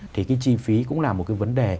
thì cái chi phí cũng là một cái vấn đề